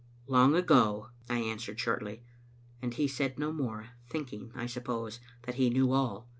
"Long ago," I answered shortly, and he said no more, thinking, I suppose, that he knew all.